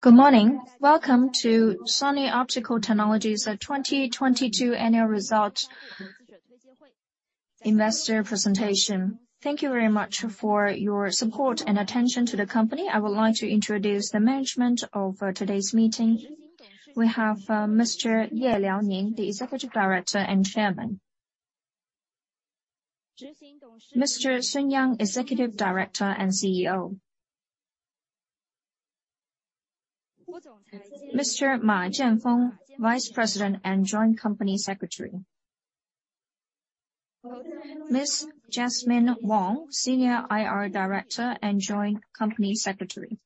Good morning. Welcome to Sunny Optical Technology's 2022 annual results investor presentation. Thank you very much for your support and attention to the company. I would like to introduce the management of today's meeting. We have Mr. Ye Liaoning, the Executive Director and Chairman. Mr. Sun Yang, Executive Director and CEO. Mr. Ma Jianfeng, Vice President and Joint Company Secretary. Ms. Jasmine Wong, Senior IR Director and Joint Company Secretary.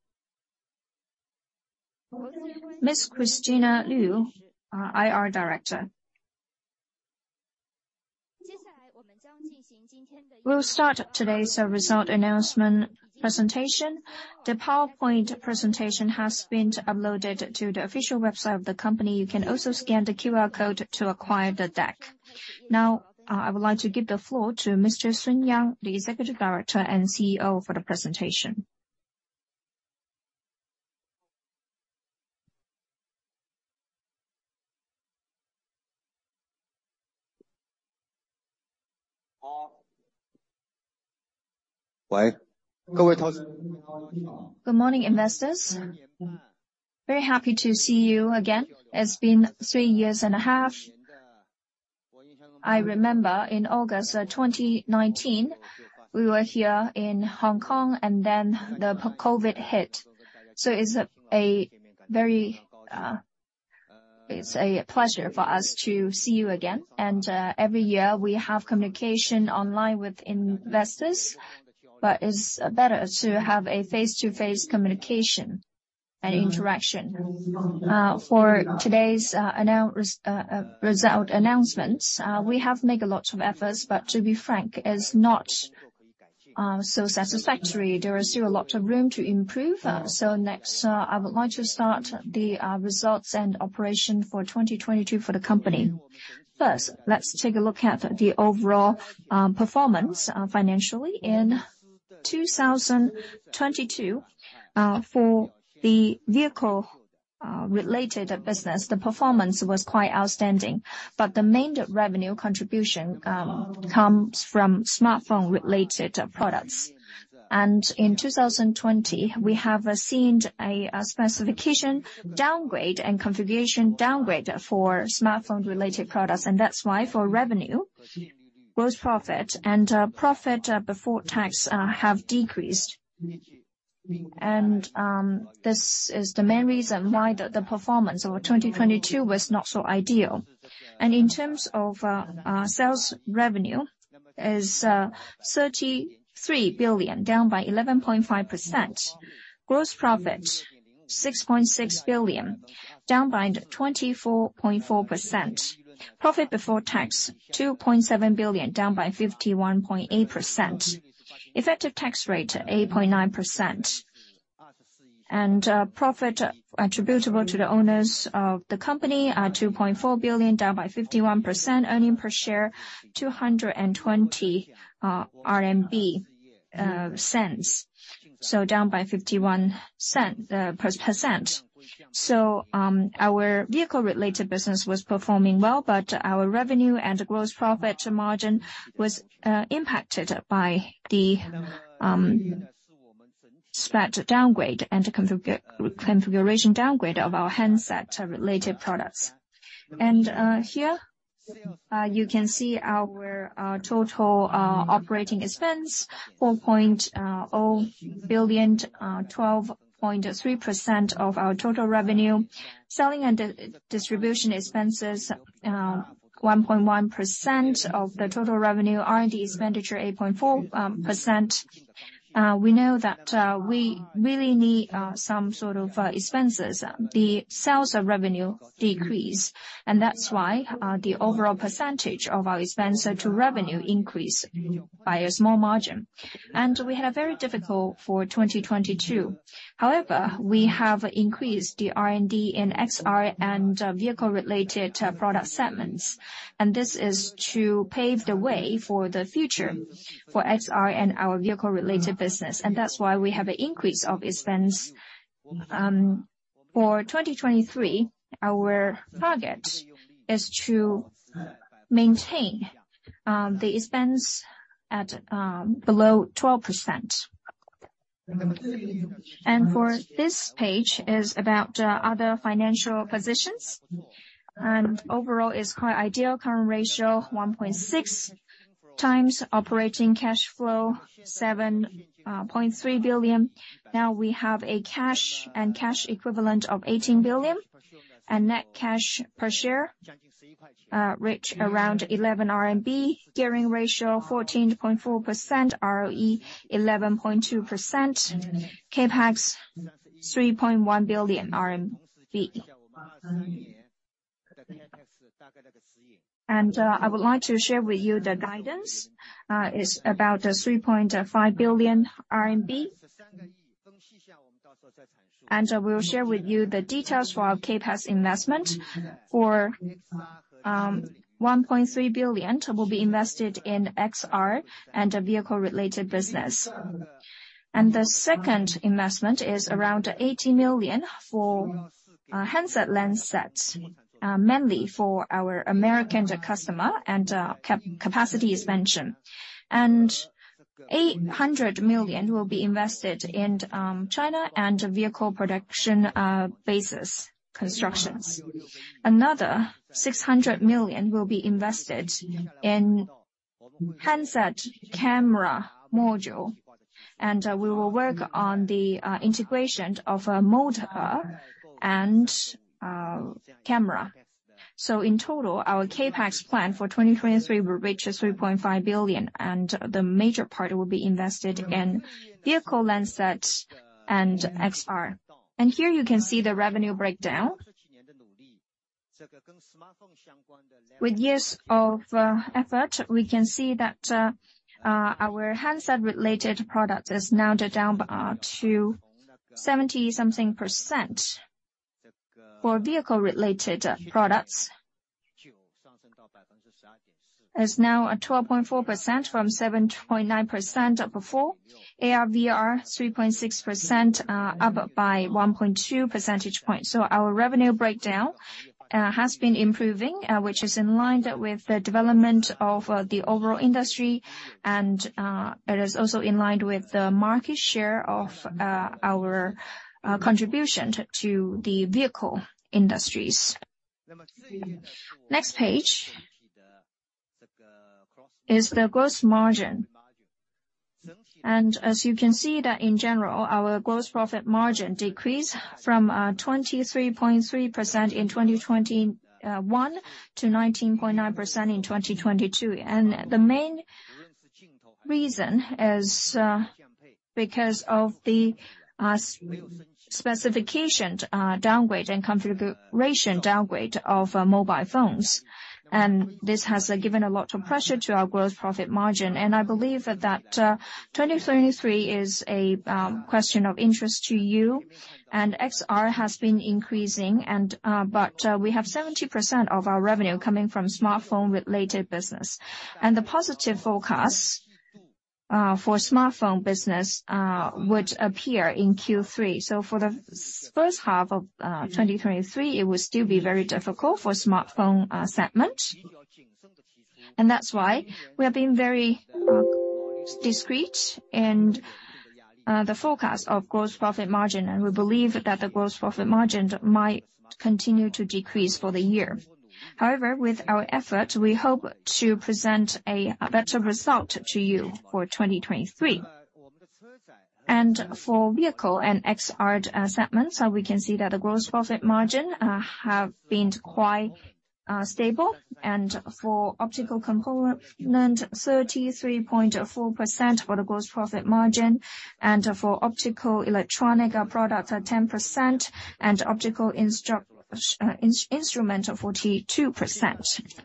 Ms. Christina Liu, our IR Director. We'll start today's result announcement presentation. The PowerPoint presentation has been uploaded to the official website of the company. You can also scan the QR code to acquire the deck. Now, I would like to give the floor to Mr. Sun Yang, the Executive Director and CEO, for the presentation. Why? Good morning, investors. Very happy to see you again. It's been three years and a half. I remember in August 2019, we were here in Hong Kong, and then the COVID hit. It's a pleasure for us to see you again. Every year, we have communication online with investors, but it's better to have a face-to-face communication and interaction. For today's result announcements, we have make lots of efforts, but to be frank, is not so satisfactory. There is still a lot of room to improve. Next, I would like to start the results and operation for 2022 for the company. First, let's take a look at the overall performance financially. In 2022, for the vehicle related business, the performance was quite outstanding, but the main revenue contribution comes from smartphone-related products. In 2020, we have seen a specification downgrade and configuration downgrade for smartphone-related products, and that's why for revenue, gross profit and profit before tax have decreased. This is the main reason why the performance of 2022 was not so ideal. In terms of sales revenue is 33 billion, down by 11.5%. Gross profit, 6.6 billion, down by 24.4%. Profit before tax, 2.7 billion, down by 51.8%. Effective tax rate, 8.9%. Profit attributable to the owners of the company are 2.4 billion, down by 51%. Earnings per share, 2.20 RMB, down by 51%. Our vehicle-related business was performing well, but our revenue and gross profit margin was impacted by the spec downgrade and configuration downgrade of our handset-related products. Here you can see our total operating expense, 4.0 billion, 12.3% of our total revenue. Selling and distribution expenses, 1.1% of the total revenue. R&D expenditure, 8.4%. We know that we really need some sort of expenses. The sales of revenue decrease, that's why the overall percentage of our expense to revenue increase by a small margin. We had very difficult for 2022. We have increased the R&D in XR and vehicle-related product segments. This is to pave the way for the future for XR and our vehicle-related business, and that's why we have an increase of expense. For 2023, our target is to maintain the expense at below 12%. For this page is about other financial positions, and overall is quite ideal. Current ratio, 1.6x operating cash flow, 7.3 billion. Now we have a cash and cash equivalent of 18 billion and net cash per share reach around 11 RMB. Gearing ratio, 14.4%. ROE, 11.2%. CapEx, RMB 3.1 billion. I would like to share with you the guidance. It's about 3.5 billion RMB. I will share with you the details for our CapEx investment for 1.3 billion will be invested in XR and a vehicle-related business. The second investment is around 80 million for handset lens sets, mainly for our American customer and capacity expansion. 800 million will be invested in China and vehicle production bases constructions. Another 600 million will be invested in handset camera module, and we will work on the integration of a radar and camera. In total, our CapEx plan for 2023 will reach 3.5 billion, and the major part will be invested in vehicle lens sets and XR. Here you can see the revenue breakdown. With years of effort, we can see that our handset-related product is now down by to 70-something percent. For vehicle-related products, is now at 12.4% from 7.9% before. AR/VR, 3.6%, up by 1.2 percentage points. Our revenue breakdown has been improving, which is in line with the development of the overall industry. It is also in line with the market share of our contribution to the vehicle industries. Next page is the gross margin. As you can see that in general, our gross profit margin decreased from 23.3% in 2021 to 19.9% in 2022. The main reason is because of the specification, downgrade and configuration downgrade of mobile phones. This has given a lot of pressure to our gross profit margin. I believe that, 2023 is a question of interest to you and XR has been increasing, but we have 70% of our revenue coming from smartphone-related business. The positive forecast for smartphone business would appear in Q3. For the first half of 2023, it would still be very difficult for smartphone segment. That's why we have been very discreet in the forecast of gross profit margin, and we believe that the gross profit margin might continue to decrease for the year. However, with our effort, we hope to present a better result to you for 2023. For vehicle and XR segments, we can see that the gross profit margin have been quite stable. For optical component, 33.4% for the gross profit margin, for optical electronic products are 10%, and optical instrumental 42%.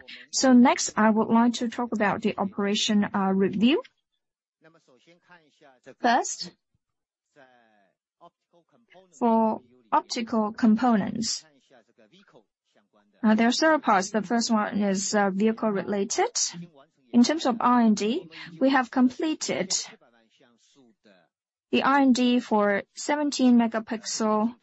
Next, I would like to talk about the operation review. First, for optical components. There are three parts. The first one is vehicle-related. In terms of R&D, we have completed the R&D for 17 megapixel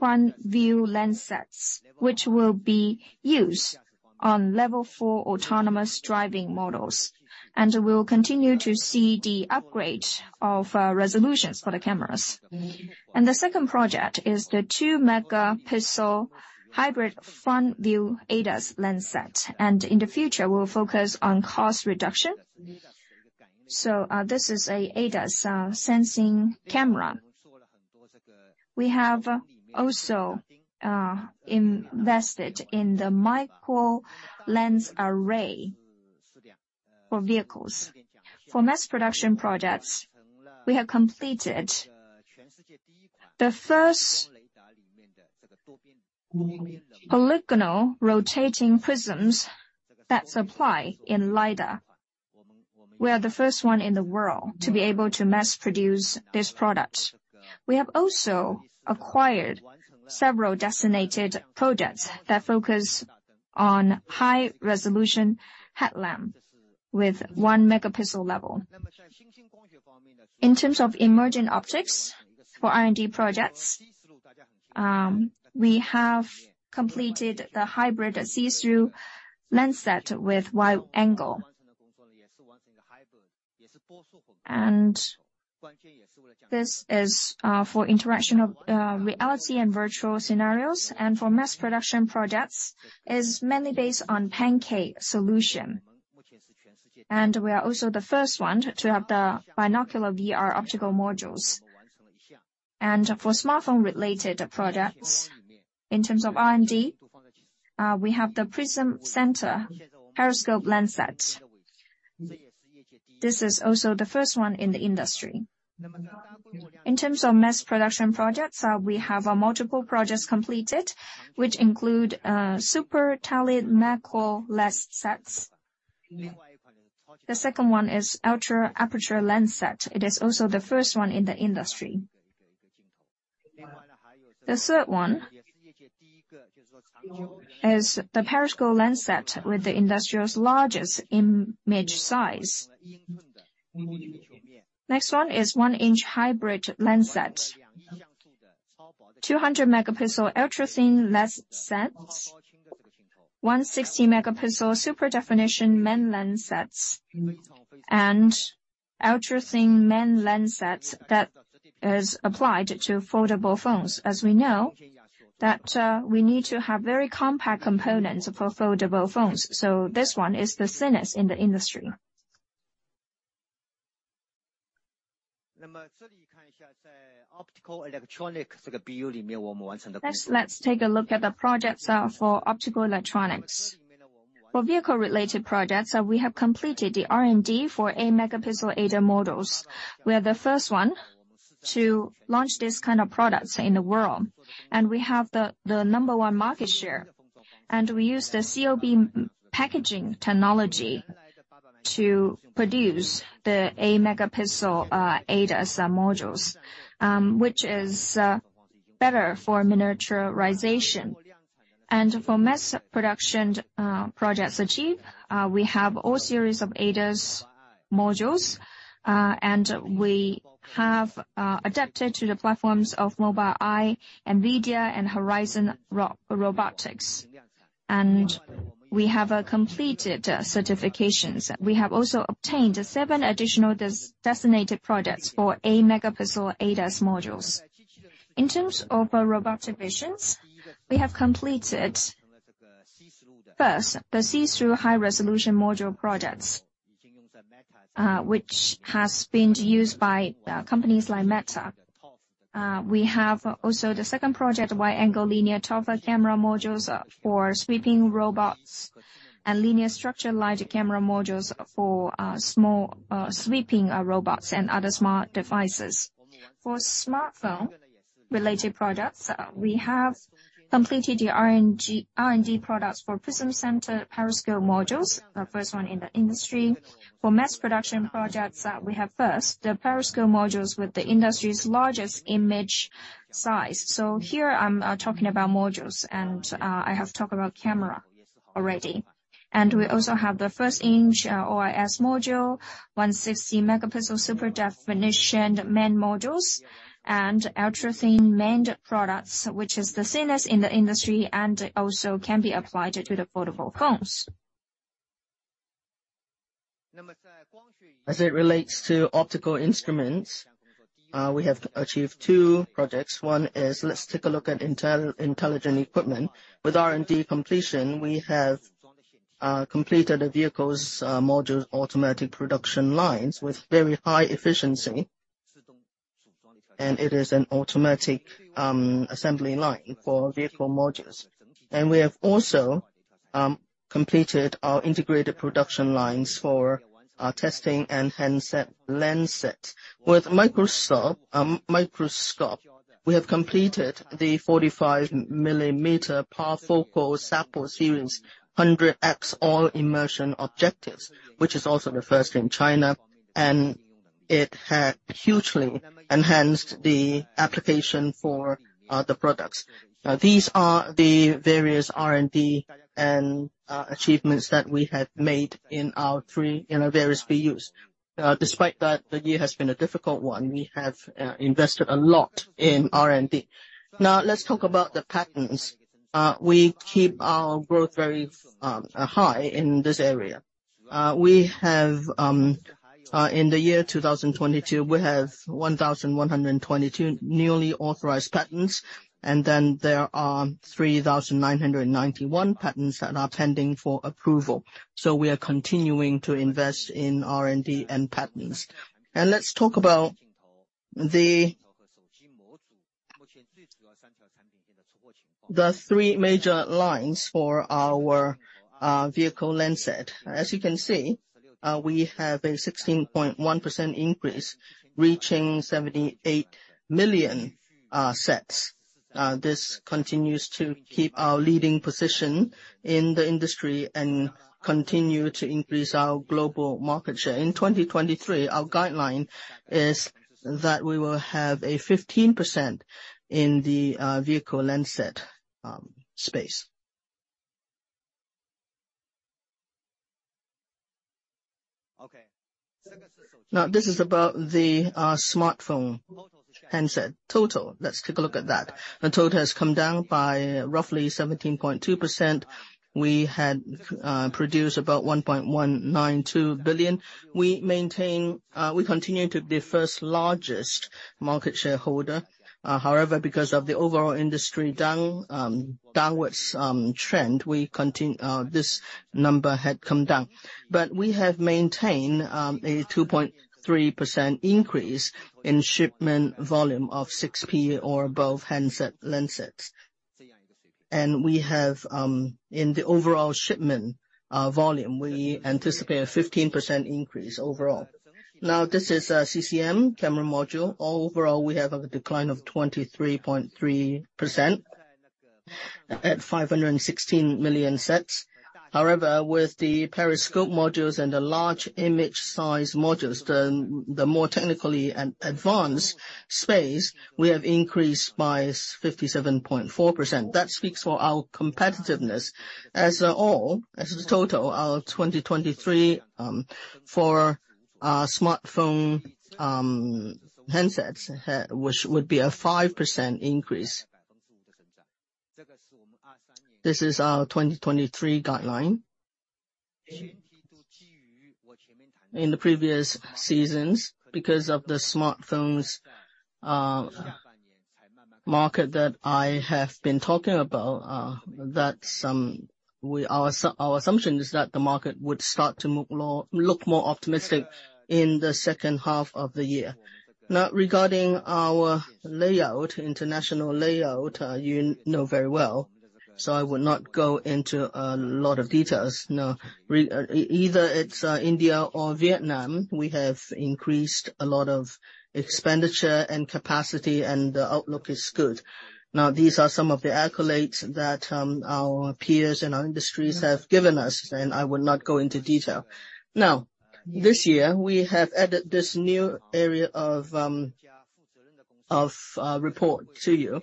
front view lens sets, which will be used on Level 4 autonomous driving models. We'll continue to see the upgrade of resolutions for the cameras. The second project is the 2 megapixel hybrid front view ADAS lens set. In the future, we'll focus on cost reduction. This is a ADAS sensing camera. We have also invested in the microlens array for vehicles. For mass production projects, we have completed the first polygonal rotating prisms that supply in LiDAR. We are the first one in the world to be able to mass produce this product. We have also acquired several designated projects that focus on high resolution headlamp with 1 megapixel level. In terms of emerging objects for R&D projects, we have completed the hybrid see-through lens set with wide angle. This is for interaction of reality and virtual scenarios, and for mass production projects, is mainly based on pancake solution. We are also the first one to have the binocular VR optical modules. For smartphone-related products, in terms of R&D, we have the prism center periscope lens set. This is also the first one in the industry. In terms of mass production projects, we have multiple projects completed, which include super tele macro lens sets. The second one is ultra aperture lens set. It is also the first one in the industry. As the periscope lens set with the industry's largest image size. Next one is one-inch hybrid lens set. 200-megapixel ultrathin lens sets. 160-megapixel super definition main lens sets. Ultrathin main lens sets that is applied to foldable phones. As we know that, we need to have very compact components for foldable phones, so this one is the thinnest in the industry. Next, let's take a look at the projects for optical electronics. For vehicle-related projects, we have completed the R&D for 8-megapixel ADAS modules. We are the first one to launch these kind of products in the world, we have the number one market share. We use the COB packaging technology to produce the 8-megapixel ADAS modules, which is better for miniaturization. For mass production projects achieved, we have all series of ADAS modules, and we have adapted to the platforms of Mobileye, NVIDIA, and Horizon Robotics. We have completed certifications. We have also obtained seven additional designated products for 8-megapixel ADAS modules. In terms of robotic visions, we have completed, first, the see-through high-resolution module products, which has been used by companies like Meta. We have also the second project, wide-angle linear ToF camera modules for sweeping robots and linear structure light camera modules for small sweeping robots and other smart devices. For smartphone-related products, we have completed the R&D products for prism-center periscope modules, the first one in the industry. For mass production projects, we have first the periscope modules with the industry's largest image size. Here I'm talking about modules, and I have talked about camera already. We also have the first-inch OIS module, 160 megapixel super definition main modules, and ultrathin main products, which is the thinnest in the industry and also can be applied to the foldable phones. As it relates to optical instruments, we have achieved two projects. One is let's take a look at intelligent equipment. With R&D completion, we have completed the vehicles modules automatic production lines with very high efficiency. It is an automatic assembly line for vehicle modules. We have also completed our integrated production lines for our testing and handset lens set. With microscope, we have completed the 45 millimeter parfocal SAPO series 100x oil immersion objectives, which is also the first in China, and it had hugely enhanced the application for the products. These are the various R&D and achievements that we have made in our three, you know, various BUs. Despite that, the year has been a difficult one. We have invested a lot in R&D. Now, let's talk about the patents. We keep our growth very high in this area. We have in the year 2022, we have 1,122 newly authorized patents, there are 3,991 patents that are pending for approval. We are continuing to invest in R&D and patents. Let's talk about the three major lines for our vehicle lens set. As you can see, we have a 16.1% increase, reaching 78 million sets. This continues to keep our leading position in the industry and continue to increase our global market share. In 2023, our guideline is that we will have a 15% in the vehicle lens set space. Now, this is about the smartphone handset total. Let's take a look at that. The total has come down by roughly 17.2%. We had produced about 1.192 billion. We continue to be first-largest market shareholder. However, because of the overall industry down, downwards trend, this number had come down. We have maintained a 2.3% increase in shipment volume of 6P or above handset lens sets. We have in the overall shipment volume, we anticipate a 15% increase overall. This is CCM, camera module. Overall, we have a decline of 23.3% at 516 million sets. However, with the periscope modules and the large image size modules, the more technically advanced space, we have increased by 57.4%. That speaks for our competitiveness. As a all, as a total, our 2023 for our smartphone handsets which would be a 5% increase. This is our 2023 guideline. In the previous seasons, because of the smartphones market that I have been talking about, our assumption is that the market would start to look more optimistic in the second half of the year. Regarding our layout, international layout, you know very well, so I will not go into a lot of details. Either it's India or Vietnam, we have increased a lot of expenditure and capacity and the outlook is good. These are some of the accolades that our peers in our industries have given us, and I will not go into detail. This year, we have added this new area of report to you,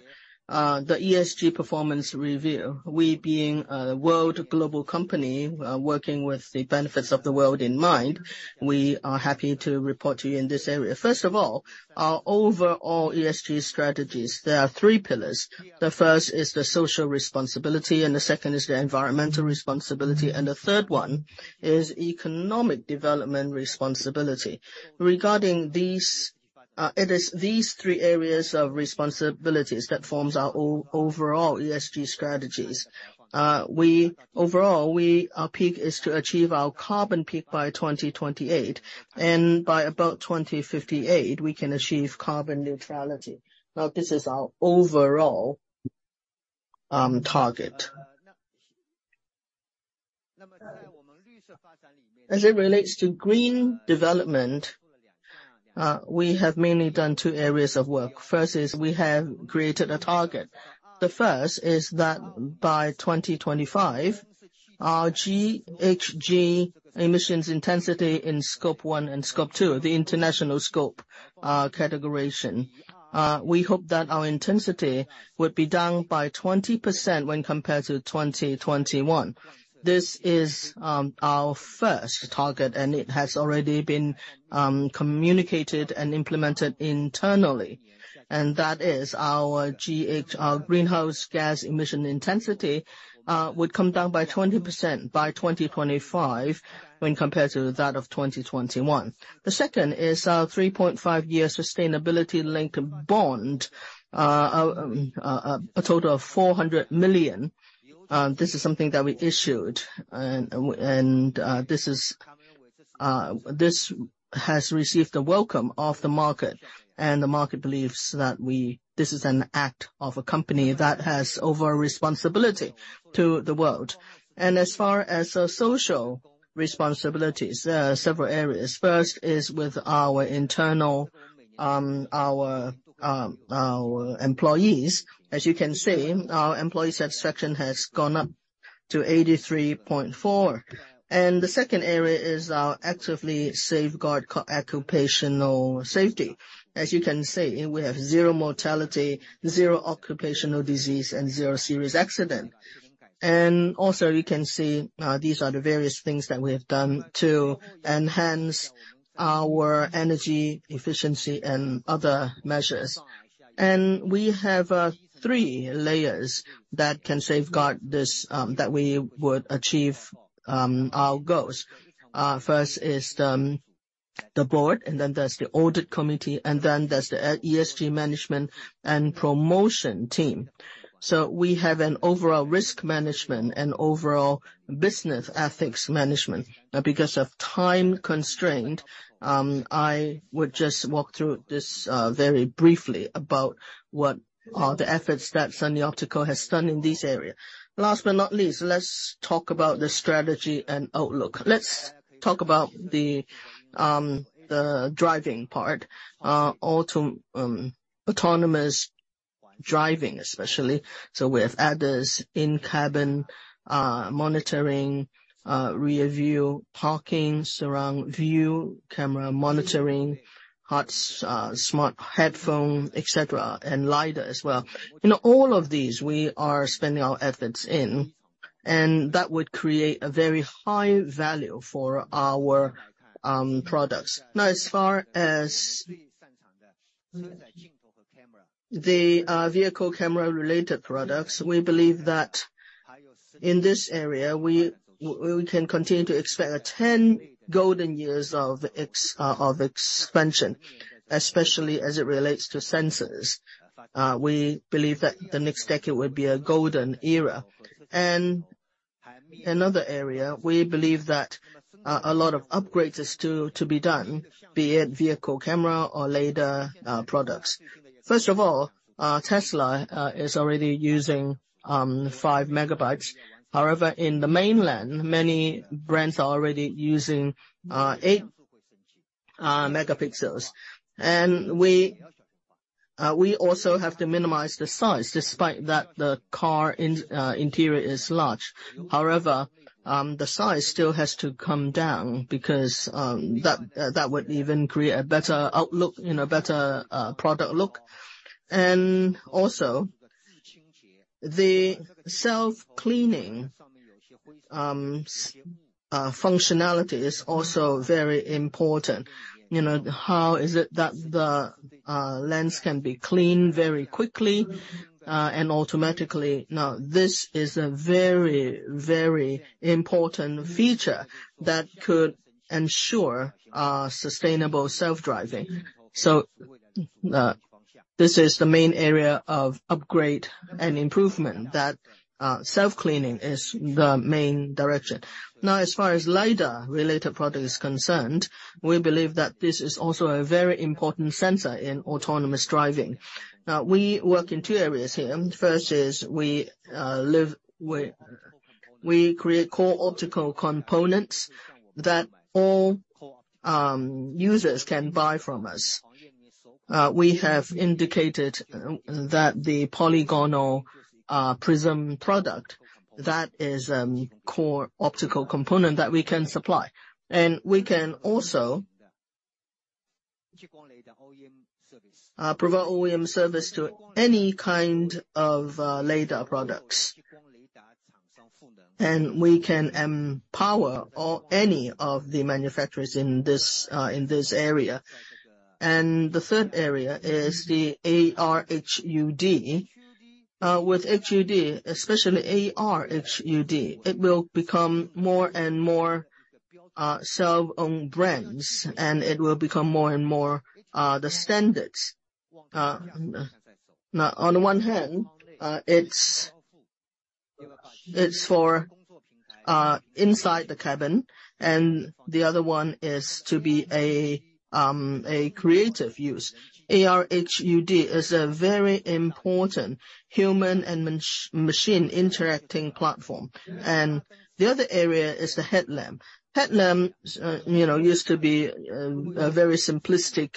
the ESG performance review. We being a world global company, working with the benefits of the world in mind, we are happy to report to you in this area. First of all, our overall ESG strategies, there are three pillars. The first is the social responsibility, and the second is the environmental responsibility, and the third one is economic development responsibility. Regarding these, it is these three areas of responsibilities that forms our overall ESG strategies. Overall, we Our peak is to achieve our carbon peak by 2028, and by about 2058, we can achieve carbon neutrality. This is our overall target. As it relates to green development, we have mainly done two areas of work. First is we have created a target. The first is that by 2025, our GHG emissions intensity in Scope 1 and Scope 2, the international scope categorization, we hope that our intensity would be down by 20% when compared to 2021. This is our first target, and it has already been communicated and implemented internally. That is our greenhouse gas emission intensity would come down by 20% by 2025 when compared to that of 2021. The second is our 3.5-year sustainability-linked bond, a total of 400 million. This is something that we issued and this has received the welcome of the market, and the market believes that we... This is an act of a company that has overall responsibility to the world. As far as our social responsibilities, there are several areas. First is with our internal, our employees. As you can see, our employee satisfaction has gone up to 83.4. The second area is our actively safeguard co-occupational safety. As you can see, we have zero mortality, zero occupational disease, and zero serious accident. Also, you can see, these are the various things that we have done to enhance our energy efficiency and other measures. We have three layers that can safeguard this, that we would achieve, our goals. First is, the board, and then there's the audit committee, and then there's the ESG management and promotion team. We have an overall risk management and overall business ethics management. Because of time constraint, I would just walk through this very briefly about what are the efforts that Sunny Optical has done in this area. Last but not least, let's talk about the strategy and outlook. Let's talk about the driving part. Auto autonomous driving especially. We have ADAS, in-cabin monitoring, rear-view parking, surround-view camera monitoring, Smart Eye, et cetera, and LiDAR as well. In all of these, we are spending our efforts in, and that would create a very high value for our products. As far as the vehicle camera related products, we believe that in this area we can continue to expect a 10 golden years of expansion, especially as it relates to sensors. We believe that the next decade will be a golden era. Another area we believe that a lot of upgrades is to be done, be it vehicle camera or LiDAR products. First of all, Tesla is already using 5 MB. In the mainland, many brands are already using 8 megapixels. We also have to minimize the size despite that the car in interior is large. The size still has to come down because that would even create a better outlook, you know, better product look. Also, the self-cleaning functionality is also very important. You know, how is it that the lens can be cleaned very quickly and automatically. This is a very, very important feature that could ensure sustainable self-driving. This is the main area of upgrade and improvement that self-cleaning is the main direction. As far as LiDAR-related product is concerned, we believe that this is also a very important sensor in autonomous driving. We work in two areas here. First is we create core optical components that all users can buy from us. We have indicated that the polygonal prism product, that is, core optical component that we can supply. We can also provide OEM service to any kind of LiDAR products. We can power or any of the manufacturers in this area. The third area is the ARHUD. With HUD, especially ARHUD, it will become more and more self-owned brands, and it will become more and more the standards. Now on one hand, it's for inside the cabin and the other one is to be a creative use. ARHUD is a very important human and machine interacting platform. The other area is the headlamp. Headlamps, you know, used to be a very simplistic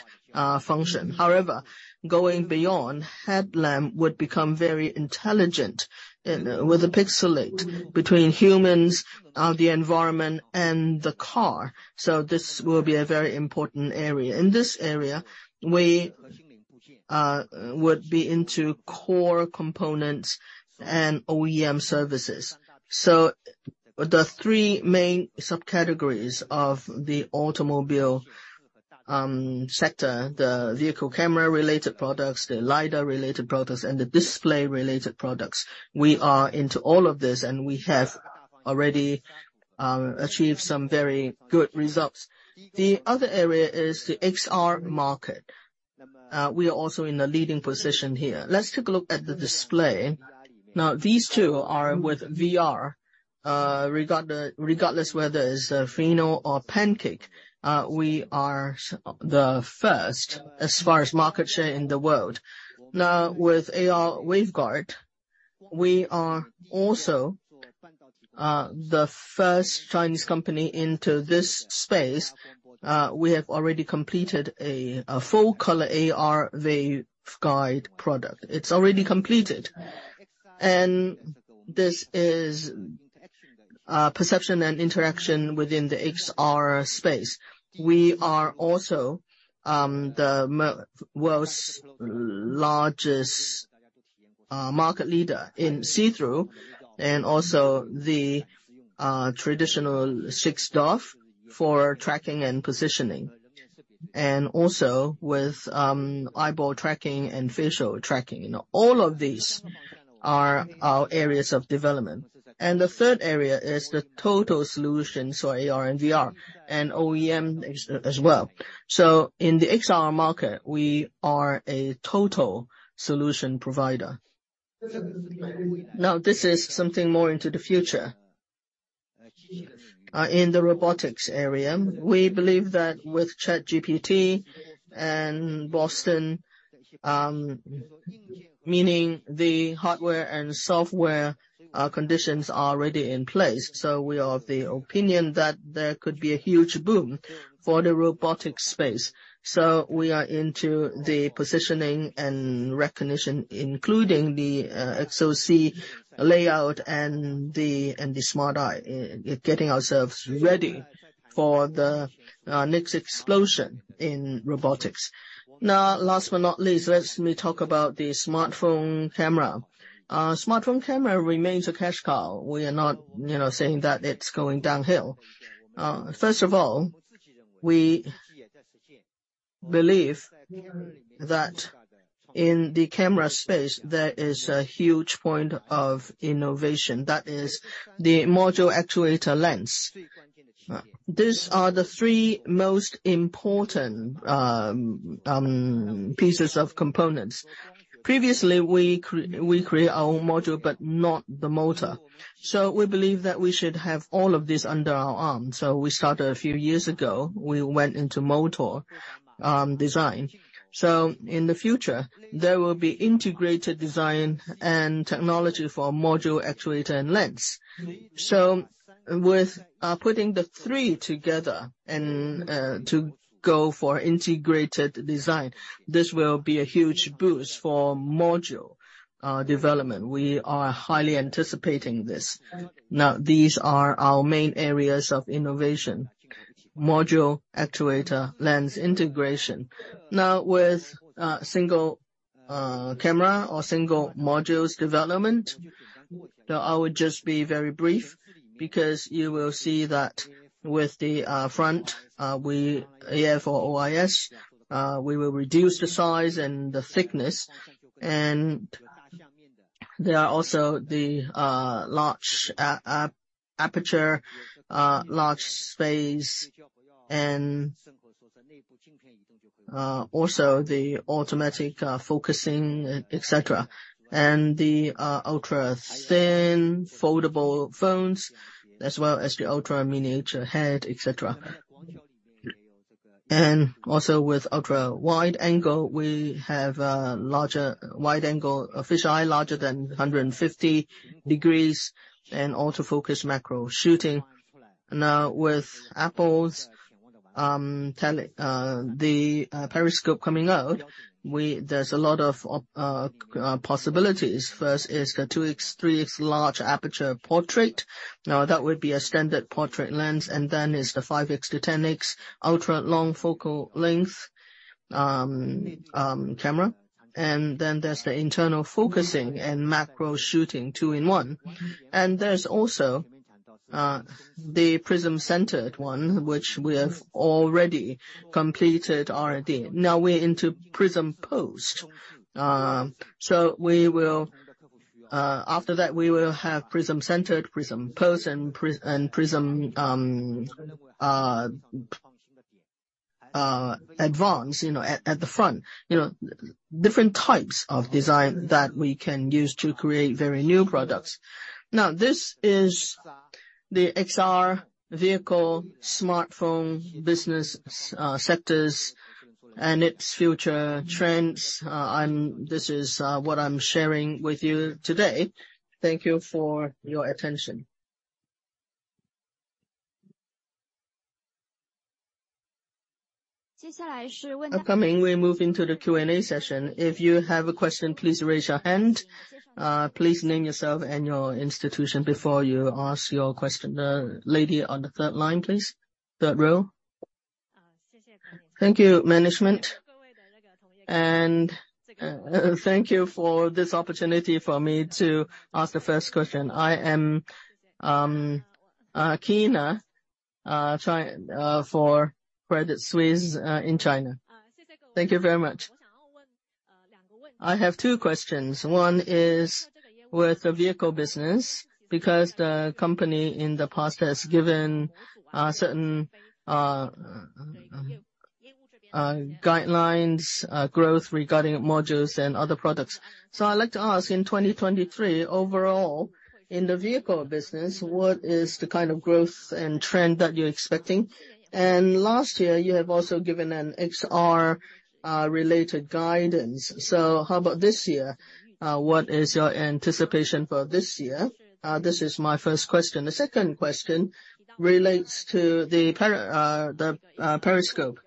function. However, going beyond, headlamp would become very intelligent with a pixelate between humans, the environment and the car. This will be a very important area. In this area, we would be into core components and OEM services. The three main subcategories of the automobile sector, the vehicle camera-related products, the LiDAR-related products, and the display-related products. We are into all of this, and we have already achieved some very good results. The other area is the XR market. We are also in a leading position here. Let's take a look at the display. These two are with VR. Regardless whether it's freeform or pancake, we are the first as far as market share in the world. With AR waveguide, we are also the first Chinese company into this space. We have already completed a full color AR waveguide product. It's already completed. This is perception and interaction within the XR space. We are also the world's largest market leader in see-through and also the traditional 6DoF for tracking and positioning, and also with eyeball tracking and facial tracking. All of these are our areas of development. The third area is the total solutions for AR and VR, and OEM as well. In the XR market, we are a total solution provider. This is something more into the future. In the robotics area, we believe that with ChatGPT and Boston, meaning the hardware and software, conditions are already in place. We are of the opinion that there could be a huge boom for the robotics space. We are into the positioning and recognition, including the SoC layout and the Smart Eye, getting ourselves ready for the next explosion in robotics. Last but not least, let me talk about the smartphone camera. Smartphone camera remains a cash cow. We are not, you know, saying that it's going downhill. First of all, we believe that in the camera space, there is a huge point of innovation. That is the module actuator lens. These are the three most important pieces of components. Previously, we create our own module, but not the motor. We believe that we should have all of these under our arm. We started a few years ago. We went into motor design. In the future, there will be integrated design and technology for module, actuator, and lens. With putting the three together and to go for integrated design, this will be a huge boost for module development. We are highly anticipating this. These are our main areas of innovation. Module, actuator, lens integration. With single camera or single modules development, I would just be very brief because you will see that with the front AF or OIS, we will reduce the size and the thickness. There are also the large aperture, large space and also the automatic focusing, et cetera. The ultra thin foldable phones, as well as the ultra miniature head, et cetera. Also with ultra wide angle, we have a larger wide-angle fisheye, larger than 150 degrees and autofocus macro shooting. Now with Apple's periscope coming out, there's a lot of possibilities. First is the 2x 3x large aperture portrait. Now that would be a standard portrait lens, then is the 5x-10x ultra-long focal length camera. Then there's the internal focusing and macro shooting, two-in-one. There's also the prism-centered one, which we have already completed R&D. Now we're into prism post. We will, after that, we will have prism-centered, prism post and prism advance, you know, at the front. You know, different types of design that we can use to create very new products. Now, this is the XR vehicle smartphone business sectors and its future trends. This is what I'm sharing with you today. Thank you for your attention. Upcoming, we're moving to the Q&A session. If you have a question, please raise your hand. Please name yourself and your institution before you ask your question. The lady on the third line, please. Third row. Thank you, management. Thank you for this opportunity for me to ask the first question. I am Kyna for Credit Suisse in China. Thank you very much. I have two questions. One is with the vehicle business, because the company in the past has given a certain guidelines, growth regarding modules and other products. I'd like to ask in 2023, overall, in the vehicle business, what is the kind of growth and trend that you're expecting? Last year, you have also given an XR related guidance. How about this year? What is your anticipation for this year? This is my first question. The second question relates to the periscope.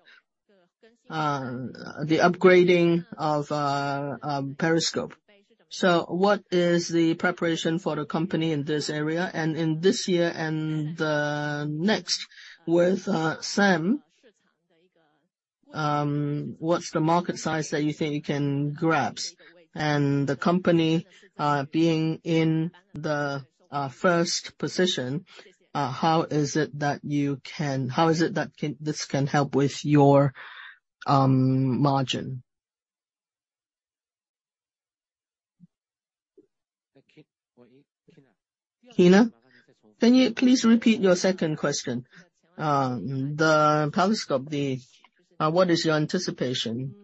The upgrading of periscope. What is the preparation for the company in this area? In this year and the next with SAM, what's the market size that you think you can grab? The company, being in the first position, how is it that this can help with your margin? Kina, can you please repeat your second question? The periscope, what is your anticipation?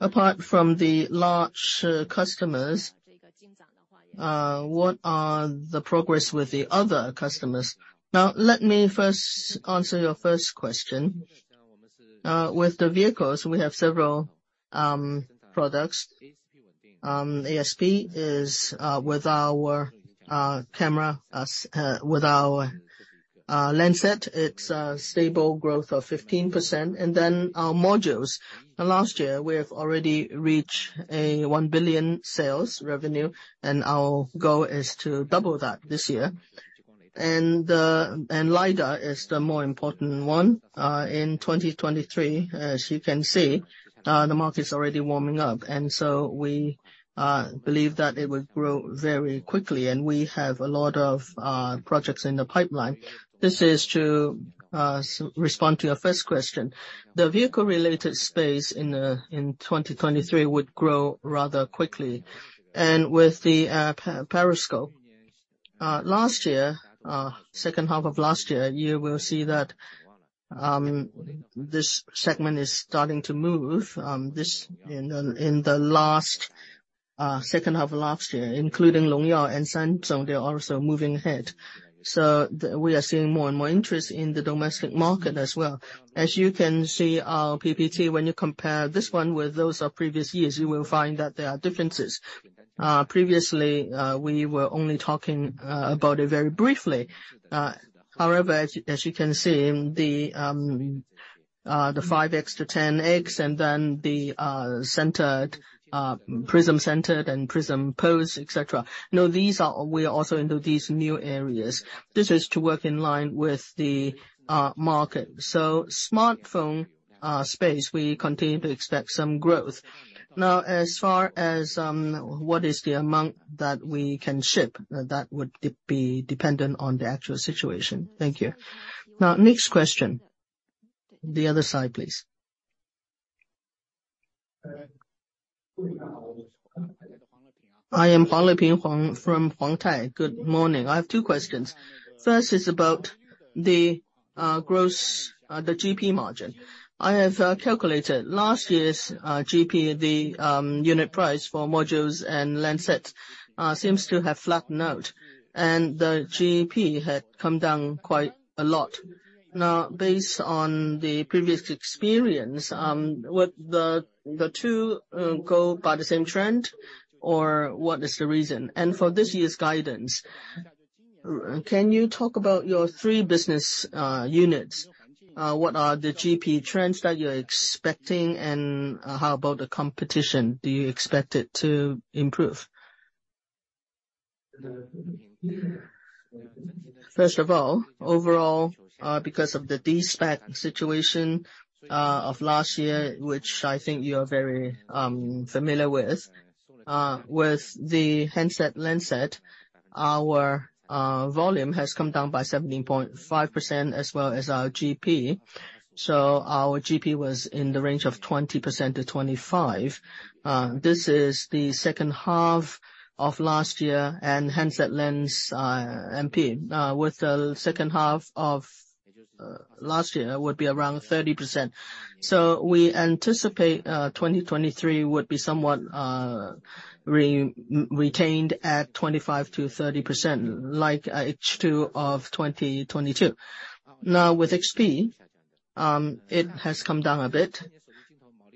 Apart from the large customers, what are the progress with the other customers? Let me first answer your first question. With the vehicles, we have several products. ASP is with our camera, with our lens set, it's a stable growth of 15%. Then our modules. Last year, we have already reached 1 billion sales revenue, and our goal is to double that this year. LiDAR is the more important one. In 2023, as you can see, the market is already warming up, we believe that it will grow very quickly, and we have a lot of projects in the pipeline. This is to respond to your first question. The vehicle-related space in 2023 would grow rather quickly. With the periscope last year, second half of last year, you will see that this segment is starting to move. This in the last second half of last year, including Longyao and Sanzhong, they are also moving ahead. We are seeing more and more interest in the domestic market as well. As you can see our PPT, when you compare this one with those of previous years, you will find that there are differences. Previously, we were only talking about it very briefly. However, as you, as you can see, the 5x-10x and then the centered, prism centered and prism pose, et cetera. You know, these are. We are also into these new areas. This is to work in line with the market. Smartphone space, we continue to expect some growth. As far as what is the amount that we can ship, that would be dependent on the actual situation. Thank you. Next question. The other side, please. I am from Huatai. Good morning. I have two questions. First is about the gross, the GP margin. I have calculated last year's GP, the unit price for modules and lens sets seems to have flattened out, and the GP had come down quite a lot. Based on the previous experience, would the two go by the same trend, or what is the reason? For this year's guidance, can you talk about your three business units? What are the GP trends that you're expecting? How about the competition? Do you expect it to improve? First of all, overall, because of the de-spec situation of last year, which I think you're very familiar with the handset lens set, our volume has come down by 17.5% as well as our GP. Our GP was in the range of 20%-25%. This is the second half of last year and handset lens, MP. With the second half of last year would be around 30%. We anticipate 2023 would be somewhat retained at 25%-30%, like H2 of 2022. With XP, it has come down a bit.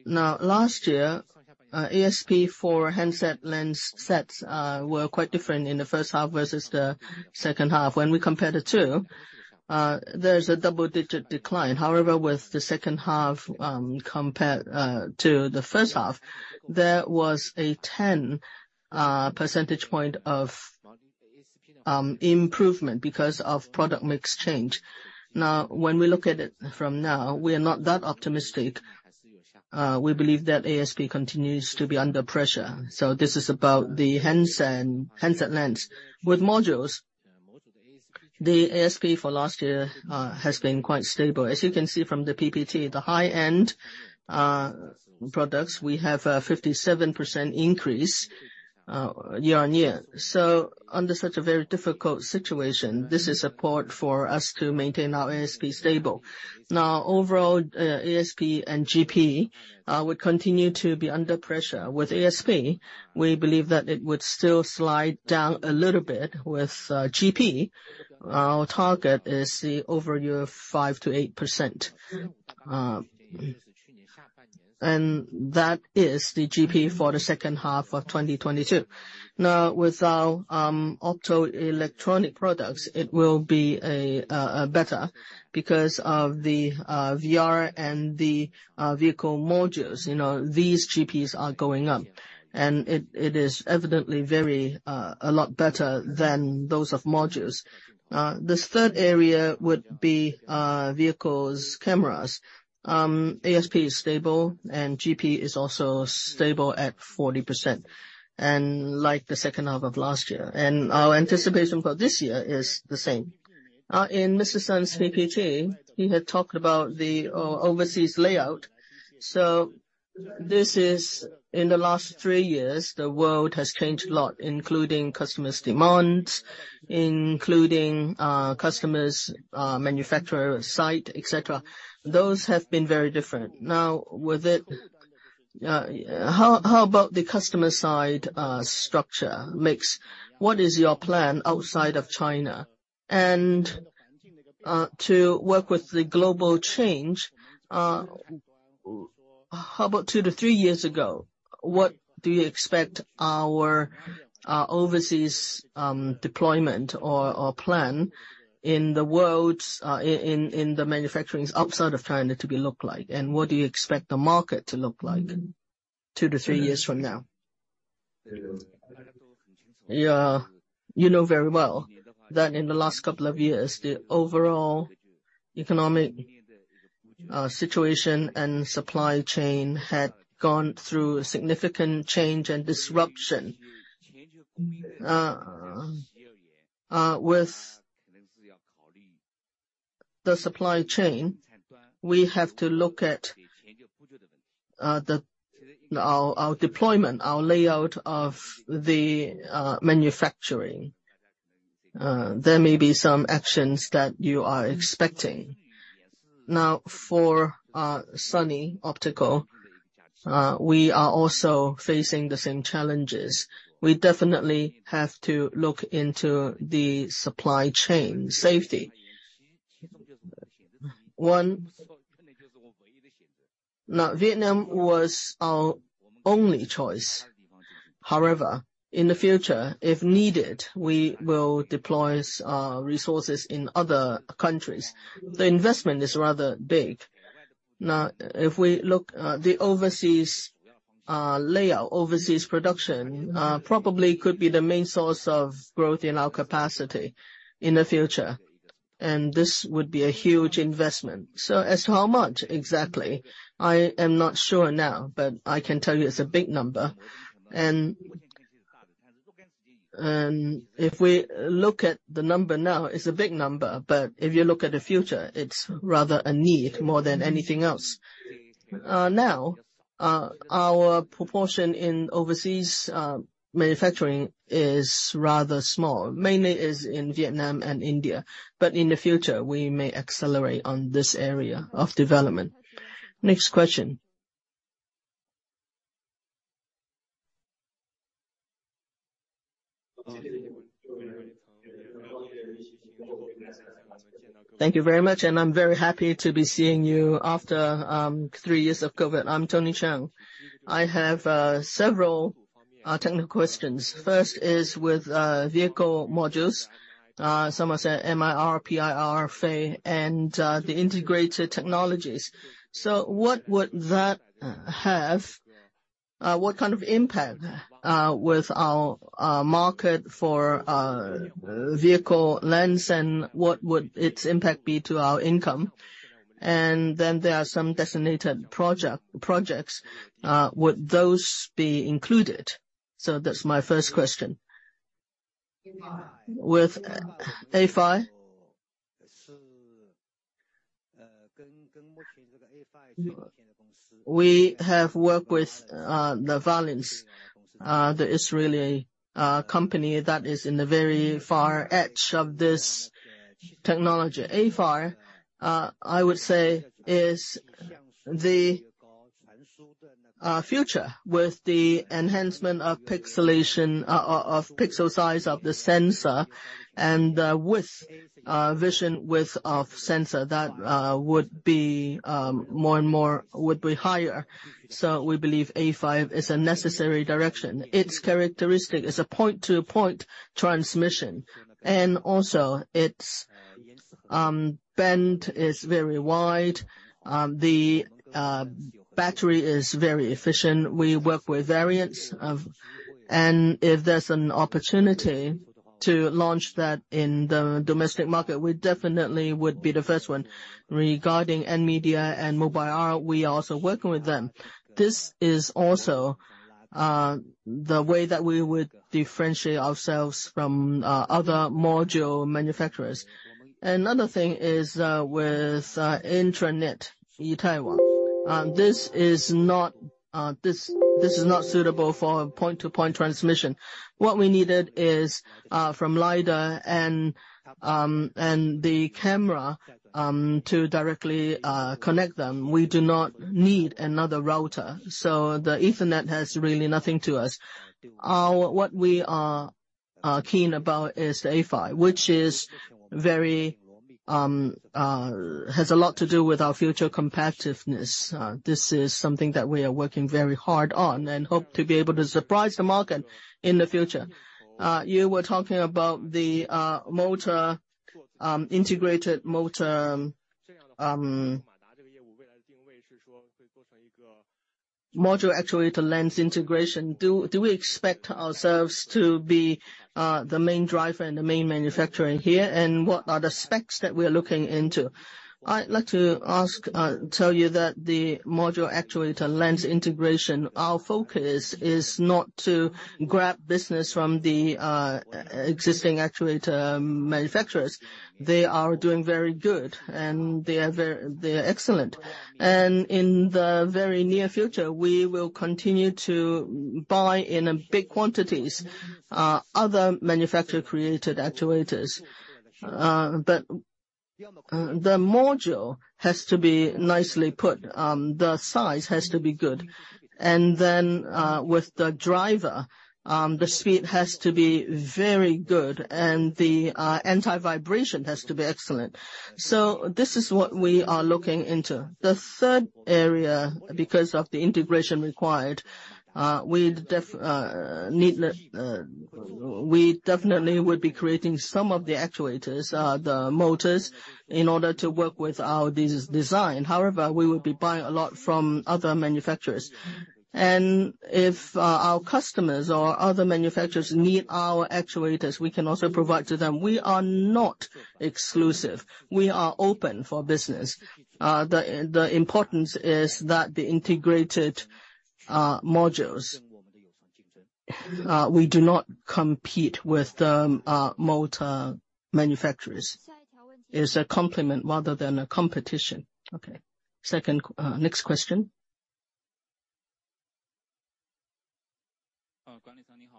Last year, ASP for handset lens sets, were quite different in the first half versus the second half. When we compare the two, there's a double-digit decline. With the second half, compared to the first half, there was a 10 percentage point of improvement because of product mix change. When we look at it from now, we are not that optimistic. We believe that ASP continues to be under pressure. This is about the handset lens. With modules, the ASP for last year has been quite stable. As you can see from the PPT, the high-end products, we have a 57% increase year-on-year. Under such a very difficult situation, this is support for us to maintain our ASP stable. Overall, ASP and GP would continue to be under pressure. With ASP, we believe that it would still slide down a little bit. With GP, our target is the over year of 5%-8%. That is the GP for the second half of 2022. With our optoelectronic products, it will be a better because of the VR and the vehicle modules. You know, these GPs are going up, and it is evidently very a lot better than those of modules. This third area would be vehicles' cameras. ASP is stable, and GP is also stable at 40%, like the second half of last year. Our anticipation for this year is the same. In Mr. Sun's PPT, he had talked about the overseas layout. In the last three years, the world has changed a lot, including customers' demands, including our customers' manufacturer site, et cetera. Those have been very different. Now, with it, how about the customer side structure mix? What is your plan outside of China? To work with the global change, how about two to three years ago? What do you expect our overseas deployment or plan in the world's in the manufacturing's outside of China to be look like? What do you expect the market to look like two to three years from now? Yeah. You know very well that in the last couple of years, the overall economic situation and supply chain had gone through a significant change and disruption. With the supply chain, we have to look at our deployment, our layout of the manufacturing. There may be some actions that you are expecting. For Sunny Optical, we are also facing the same challenges. We definitely have to look into the supply chain safety. Vietnam was our only choice. However, in the future, if needed, we will deploy resources in other countries. The investment is rather big. Now, if we look, the overseas layout, overseas production, probably could be the main source of growth in our capacity in the future, and this would be a huge investment. As to how much exactly, I am not sure now, but I can tell you it's a big number. If we look at the number now, it's a big number, but if you look at the future, it's rather a need more than anything else. Now, our proportion in overseas manufacturing is rather small. Mainly is in Vietnam and India. In the future, we may accelerate on this area of development. Next question. Thank you very much, and I'm very happy to be seeing you after three years of COVID. I'm Tony Tung. I have several technical questions. First is with vehicle modules. Some are saying MIR, PIR, FAW and the integrated technologies. What would that have? What kind of impact with our market for vehicle lens, and what would its impact be to our income? Then there are some designated projects. Would those be included? That's my first question. With A-PHY? We have worked with the Valens, the Israeli company that is in the very far edge of this technology. A-PHY, I would say, is the future with the enhancement of pixelation, of pixel size of the sensor and the width, vision width of sensor that would be more and more would be higher. We believe A-PHY is a necessary direction. Its characteristic is a point-to-point transmission, and also its band is very wide. The battery is very efficient. We work with variants of. If there's an opportunity to launch that in the domestic market, we definitely would be the first one. Regarding NVIDIA and Mobileye, we are also working with them. This is also the way that we would differentiate ourselves from other module manufacturers. Another thing is with Ethernet. This is not, this is not suitable for point-to-point transmission. What we needed is from LiDAR and the camera to directly connect them. We do not need another router. The Ethernet has really nothing to us. What we are keen about is the A-PHY, which is very has a lot to do with our future competitiveness. This is something that we are working very hard on and hope to be able to surprise the market in the future. You were talking about the motor, integrated motor, module actuator lens integration. Do we expect ourselves to be the main driver and the main manufacturer here? What are the specs that we're looking into? I'd like to ask, tell you that the module actuator lens integration, our focus is not to grab business from the existing actuator manufacturers. They are doing very good and they are very excellent. In the very near future, we will continue to buy in big quantities, other manufacturer-created actuators. The module has to be nicely put, the size has to be good. With the driver, the speed has to be very good and the anti-vibration has to be excellent. This is what we are looking into. The third area, because of the integration required, we definitely would be creating some of the actuators, the motors in order to work with our design. We will be buying a lot from other manufacturers. If our customers or other manufacturers need our actuators, we can also provide to them. We are not exclusive. We are open for business. The importance is that the integrated modules, we do not compete with the motor manufacturers. It's a complement rather than a competition. Okay. Next question.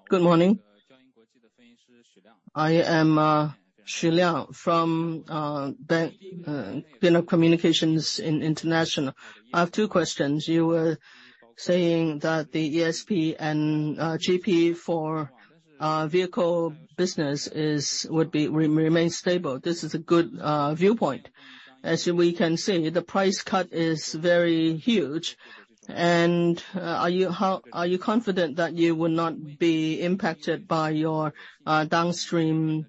Good morning. I am Shi Liang from Telecommunications International. I have two questions. You were saying that the ASP and GP for vehicle business would be remain stable. This is a good viewpoint. As we can see, the price cut is very huge. Are you confident that you will not be impacted by your downstream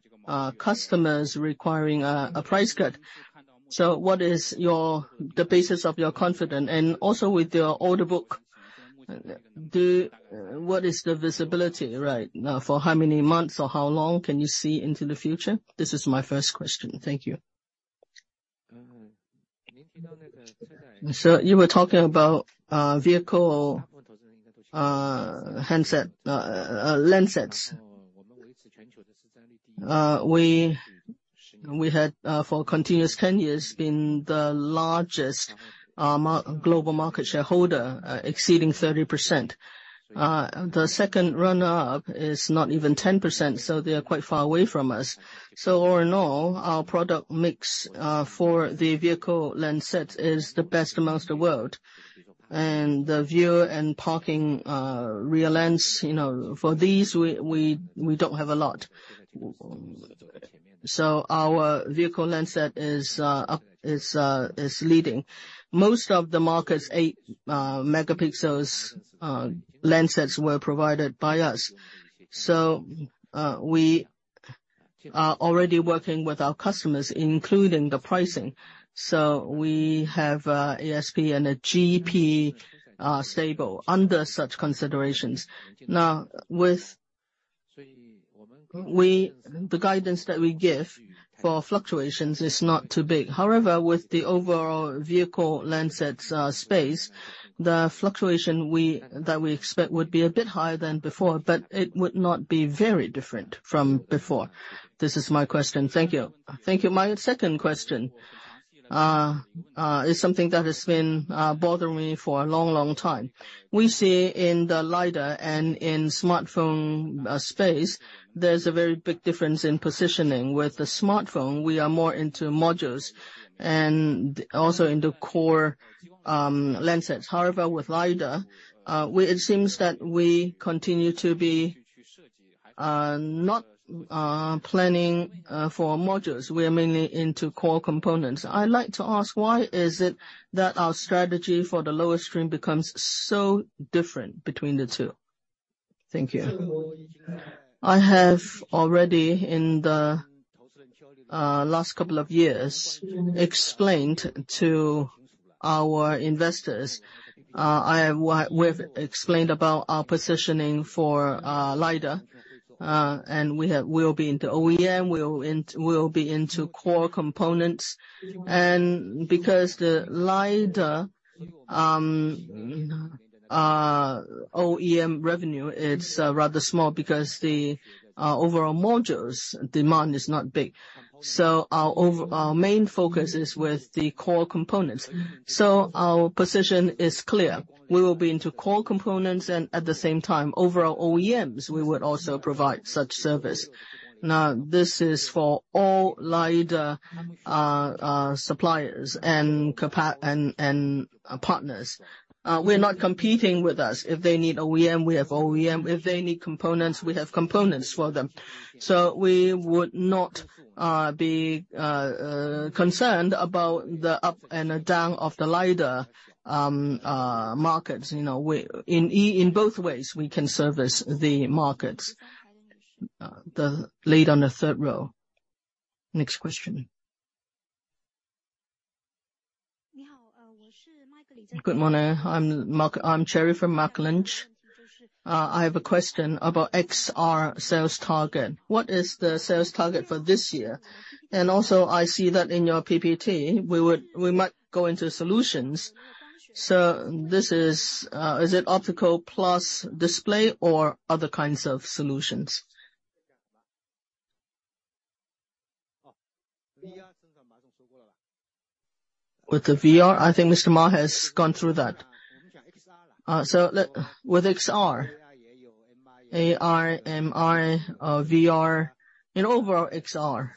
customers requiring a price cut? What is the basis of your confident? With your order book, what is the visibility right now? For how many months or how long can you see into the future? This is my first question. Thank you. You were talking about vehicle handset lens sets. We had for continuous 10 years been the largest global market shareholder, exceeding 30%. The second runner-up is not even 10%, so they are quite far away from us. All in all, our product mix for the vehicle lens sets is the best amongst the world. The viewer and parking rear lens, you know, for these we don't have a lot. Our vehicle lens set is leading. Most of the markets 8 megapixels lens sets were provided by us. We are already working with our customers, including the pricing. We have ASP and GP stable under such considerations. With the guidance that we give for fluctuations is not too big. However, with the overall vehicle lens sets space, the fluctuation that we expect would be a bit higher than before, but it would not be very different from before. This is my question. Thank you. Thank you. My second question is something that has been bothering me for a long, long time. We see in the LiDAR and in smartphone space, there's a very big difference in positioning. With the smartphone, we are more into modules and also in the core lens sets. However, with LiDAR, it seems that we continue to be not planning for modules. We are mainly into core components. I'd like to ask why is it that our strategy for the lower stream becomes so different between the two? Thank you. I have already in the last couple of years explained to our investors, we've explained about our positioning for LiDAR, and we'll be into OEM, we'll be into core components. Because the LiDAR OEM revenue is rather small because the overall modules demand is not big. Our main focus is with the core components. Our position is clear. We will be into core components and at the same time overall OEMs, we would also provide such service. This is for all LiDAR suppliers and partners. We're not competing with us. If they need OEM, we have OEM. If they need components, we have components for them. We would not be concerned about the up and down of the LiDAR markets. You know, in both ways we can service the markets. The lady on the third row. Next question. Good morning. I'm Cherry from Merrill Lynch. I have a question about XR sales target. What is the sales target for this year? I see that in your PPT we might go into solutions. This is it optical plus display or other kinds of solutions? With the VR, I think Mr. Ma has gone through that. With XR, AR, MR, VR in overall XR,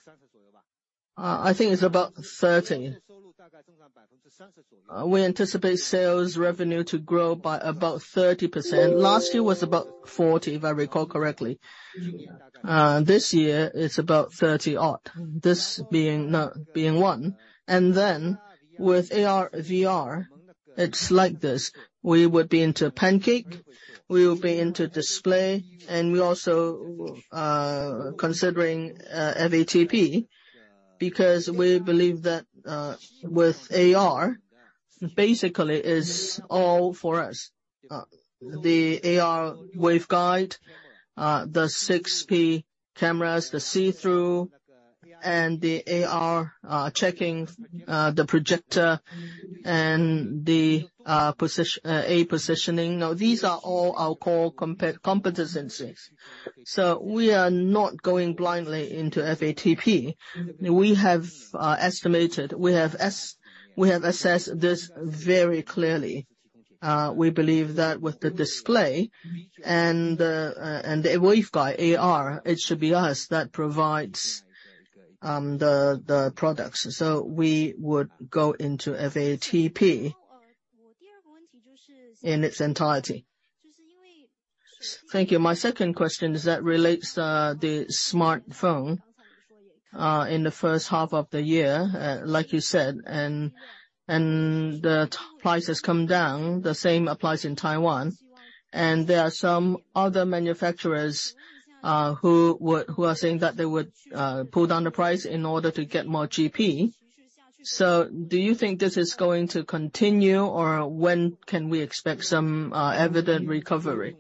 I think it's about 30. We anticipate sales revenue to grow by about 30%. Last year was about 40, if I recall correctly. This year it's about 30 odd. This being one. With AR, VR it's like this. We would be into pancake, we will be into display, and we also considering FATP because we believe that with AR basically is all for us. The AR waveguide, the 6P cameras, the see-through, and the AR checking, the projector and the A positioning. These are all our core competencies. We are not going blindly into FATP. We have estimated, we have assessed this very clearly. We believe that with the display and the and the waveguide AR, it should be us that provides the products. We would go into FATP in its entirety. Thank you. My second question is that relates to the smartphone in the first half of the year, like you said, and the price has come down. The same applies in Taiwan, and there are some other manufacturers who are saying that they would pull down the price in order to get more GP. Do you think this is going to continue, or when can we expect some evident recovery?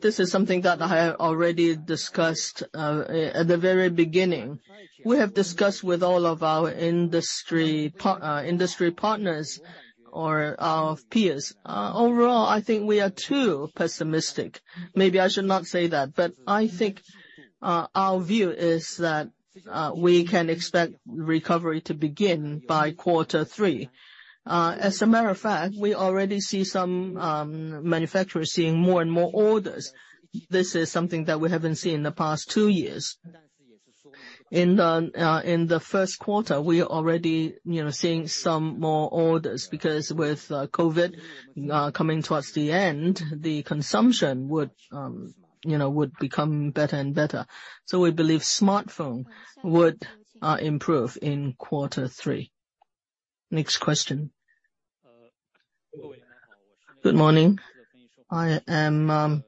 This is something that I already discussed at the very beginning. We have discussed with all of our industry partners or our peers. Overall, I think we are too pessimistic. Maybe I should not say that, but I think our view is that we can expect recovery to begin by quarter three. As a matter of fact, we already see some manufacturers seeing more and more orders. This is something that we haven't seen in the past two years. In the first quarter, we are already, you know, seeing some more orders because with COVID coming towards the end, the consumption would, you know, would become better and better. We believe smartphone would improve in quarter three. Next question. Good morning. I am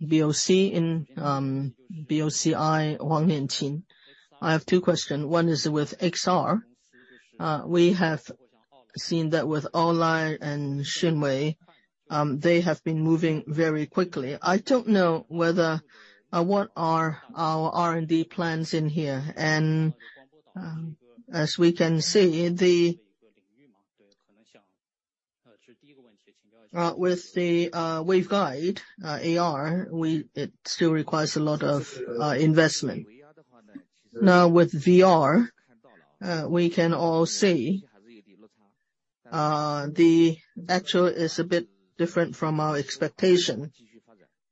BOCI, Wang Nien-chin. I have two questions. One is with XR. We have seen that with Aolai and Shinwei, they have been moving very quickly. I don't know whether what are our R&D plans in here. As we can see, with the waveguide AR, it still requires a lot of investment. Now, with VR, we can all see the actual is a bit different from our expectation,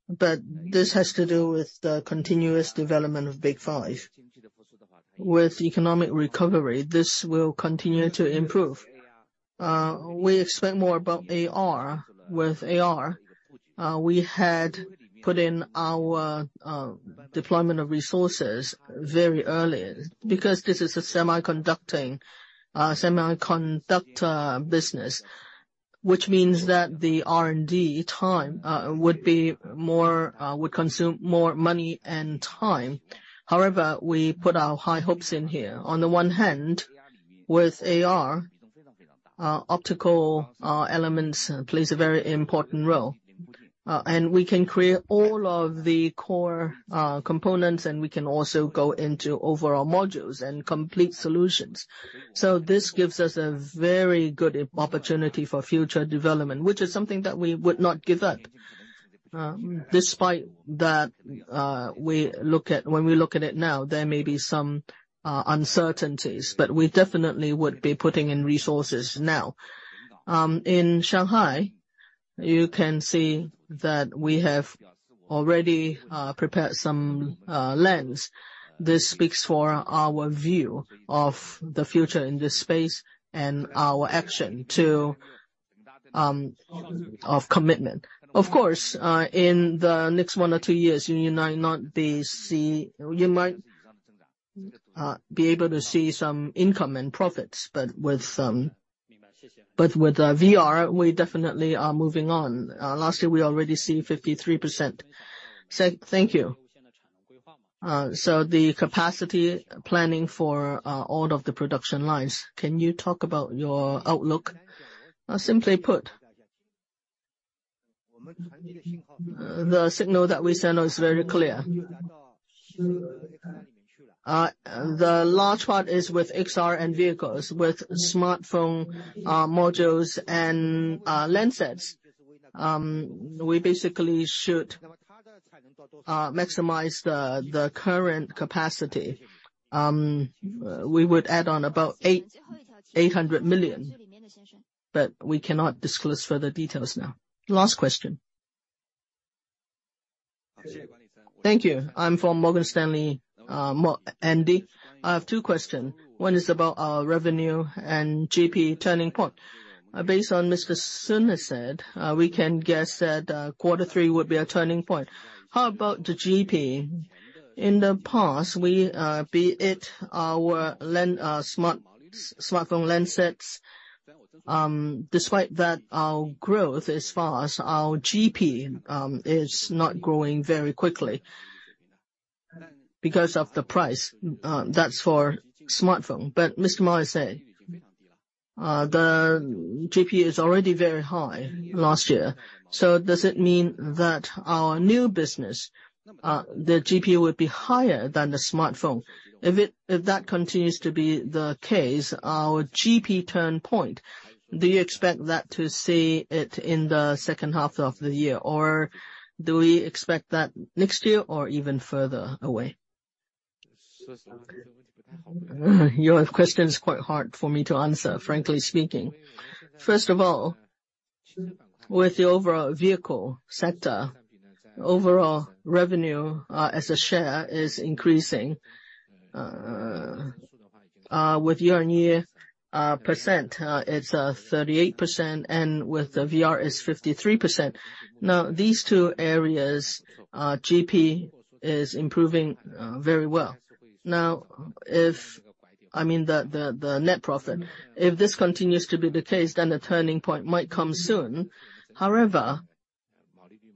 but this has to do with the continuous development of Big Five. With economic recovery, this will continue to improve. We expect more about AR. With AR, we had put in our deployment of resources very early because this is a semiconducting semiconductor business, which means that the R&D time would be more, would consume more money and time. We put our high hopes in here. On the one hand, with AR, optical elements plays a very important role. We can create all of the core components, and we can also go into overall modules and complete solutions. This gives us a very good opportunity for future development, which is something that we would not give up. Despite that, when we look at it now, there may be some uncertainties, but we definitely would be putting in resources now. In Shanghai, you can see that we have already prepared some lens. This speaks for our view of the future in this space and our action to of commitment. Of course, in the next one or two years, you might be able to see some income and profits, with VR, we definitely are moving on. Lastly, we already see 53%. Thank you. The capacity planning for all of the production lines, can you talk about your outlook? Simply put, the signal that we send is very clear. The large part is with XR and vehicles. With smartphone modules and lens sets, we basically should maximize the current capacity. We would add on about 800 million, we cannot disclose further details now. Last question. Thank you. I'm from Morgan Stanley, Andy Meng. I have two questions. One is about our revenue and GP turning point. Based on Mr. Sun has said, we can guess that quarter three would be a turning point. How about the GP? In the past, we, be it our smartphone lens sets, despite that our growth as far as our GP, is not growing very quickly because of the price. That's for smartphone. Mr. Ma said, the GP is already very high last year. Does it mean that our new business, the GP would be higher than the smartphone? If that continues to be the case, our GP turn point, do you expect that to see it in the second half of the year? Do we expect that next year or even further away? Your question is quite hard for me to answer, frankly speaking. With the overall vehicle sector, overall revenue, as a share is increasing. With year-on-year percent, it's 38%, and with VR is 53%. These two areas, GP is improving very well. I mean, the net profit. If this continues to be the case, then the turning point might come soon.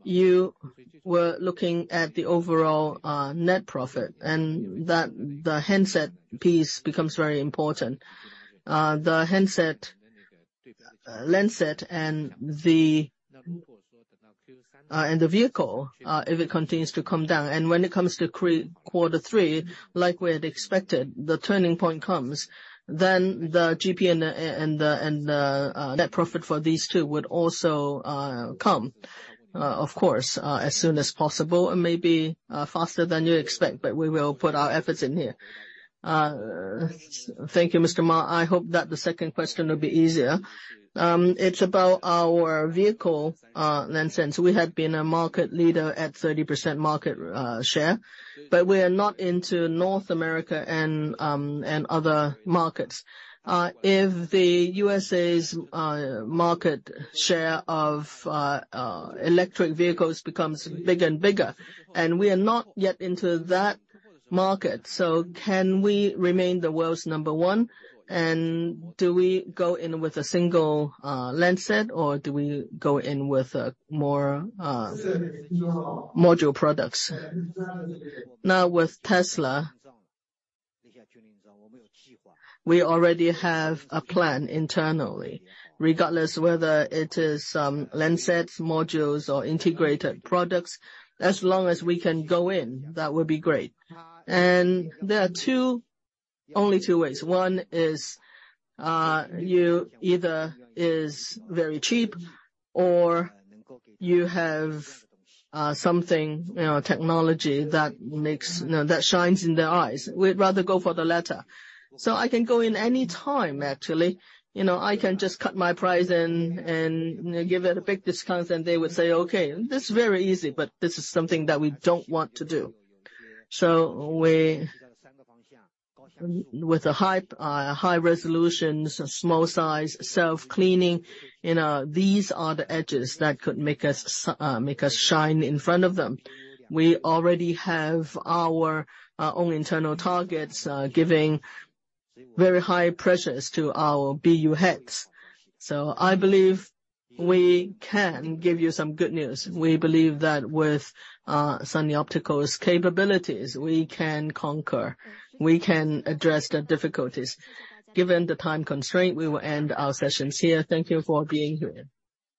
You were looking at the overall net profit and that the handset piece becomes very important. The handset lens set and the vehicle, if it continues to come down. When it comes to quarter three, like we had expected, the turning point comes, then the GP and the net profit for these two would also come, of course, as soon as possible and maybe faster than you expect, but we will put our efforts in here. Thank you, Mr. Ma. I hope that the second question will be easier. It's about our vehicle lens set. We have been a market leader at 30% market share, but we're not into North America and other markets. If the U.S.'s market share of electric vehicles becomes bigger and bigger, and we are not yet into that market, can we remain the world's number one? Do we go in with a single lens set or do we go in with more module products? Now, with Tesla, we already have a plan internally. Regardless of whether it is lens sets, modules or integrated products, as long as we can go in, that would be great. There are 2, only 2 ways. One is, you either is very cheap or you have something, you know, technology that shines in their eyes. We'd rather go for the latter. I can go in any time, actually. You know, I can just cut my price and give it a big discount, and they would say, okay. This is very easy, but this is something that we don't want to do. We, with a high, high resolution, small size, self-cleaning, you know, these are the edges that could make us make us shine in front of them. We already have our own internal targets, giving very high pressures to our BU heads. I believe we can give you some good news. We believe that with Sunny Optical's capabilities, we can conquer, we can address the difficulties. Given the time constraint, we will end our sessions here. Thank you for being here.